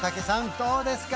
どうですか？